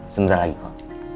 sebentar lagi kok